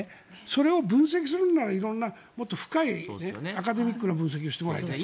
それを分析するんなら色んなもっと深いアカデミックな分析をしてもらいたい。